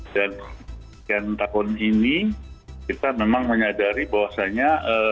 dan sekian tahun ini kita memang menyadari bahwasannya